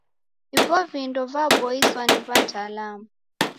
Ivi vindo vaboiswa ni w'ataalamu.